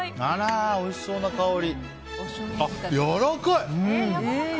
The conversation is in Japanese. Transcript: あら、おいしそうな香り！